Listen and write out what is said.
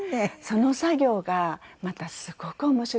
その作業がまたすごく面白くて。